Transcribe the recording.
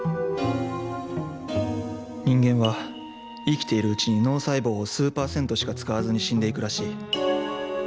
人間は生きているうちに脳細胞を数％しか使わずに死んで行くらしい